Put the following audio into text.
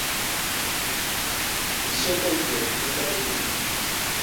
Lisôñgôl bôt li tabé bun!